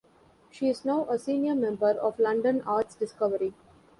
She is now a senior member of London Arts Discovery.